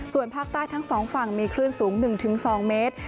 ส่วนภาคใต้ทั้งสองฝั่งมีคลื่นสูง๑๒เมตร